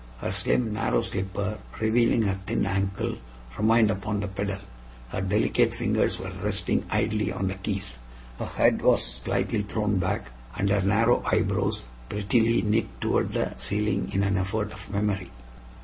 Her slim, narrow slipper, revealing her thin ankle, remained upon the pedal; her delicate fingers were resting idly on the keys; her head was slightly thrown back, and her narrow eyebrows prettily knit toward the ceiling in an effort of memory.